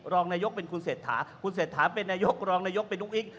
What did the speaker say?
รองนายกเป็นคุณเศรษฐาคุณเศรษฐาเป็นนายกรองนายกเป็นอุ้งอิ๊ง